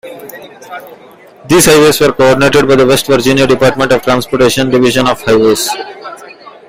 These highways were coordinated by the West Virginia Department of Transportation, Division of Highways.